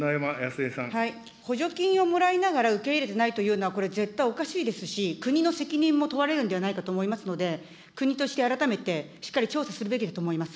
補助金をもらいながら受け入れてないというのは、これ、絶対おかしいですし、国の責任も問われるんではないかと思いますので、国として改めてしっかり調査するべきだと思います。